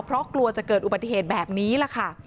เพราะกลัวจะเกิดอุบัติเหตุแบบนี้แหละค่ะ